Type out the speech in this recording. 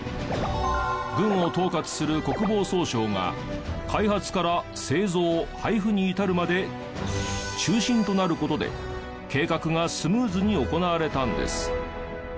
軍を統括する国防総省が開発から製造配布に至るまで中心となる事で計画がスムーズに行われたんです。